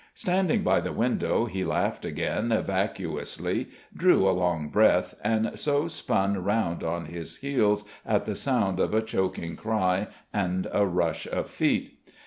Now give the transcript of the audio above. Standing by the window, he laughed again vacuously, drew a long breath, and so spun round on his heels at the sound of a choking cry and a rush of feet.